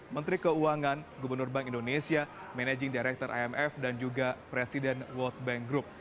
menteri keuangan gubernur bank indonesia managing director imf dan juga presiden world bank group